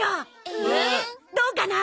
えっ？どうかな？